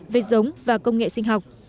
về giống và công nghệ sinh học